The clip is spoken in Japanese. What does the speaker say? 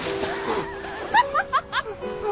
ハハハハ！